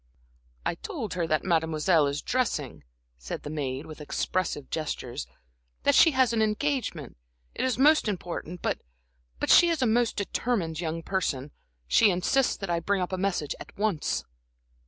"I told her that Mademoiselle is dressing," said the maid, with expressive gestures; "that she has an engagement, it is most important, but but she is a most determined young person, she insists that I bring up a message at once."